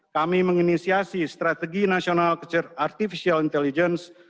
kami menginisiasi strategi nasional artificial intelligence